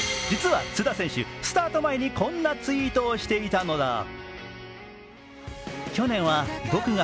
実は津田選手スタート前にこんなツイートをしていたのだ。